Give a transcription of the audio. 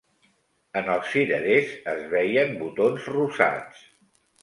En els cirerers es veien botons rosats